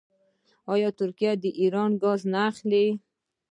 آیا ترکیه د ایران ګاز نه اخلي؟